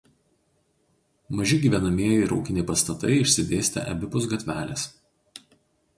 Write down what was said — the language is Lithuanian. Maži gyvenamieji ir ūkiniai pastatai išsidėstę abipus gatvelės.